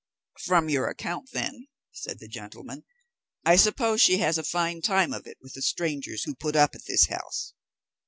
'" "From your account, then," said the gentleman, "I suppose she has a fine time of it with the strangers who put up at this house."